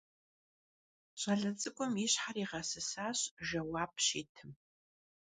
Ş'ale ts'ık'um yi şher yiğesısaş jjeuap şitım.